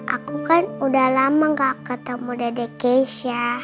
aku kan udah lama gak ketemu dedek keisha